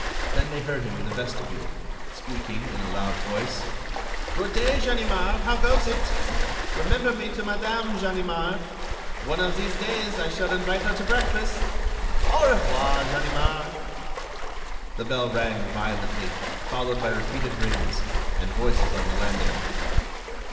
Then they heard him in the vestibule, speaking, in a loud voice: "Good day, Ganimard, how goes it? Remember me to Madame Ganimard. One of these days, I shall invite her to breakfast. Au revoir, Ganimard." The bell rang violently, followed by repeated rings, and voices on the landing.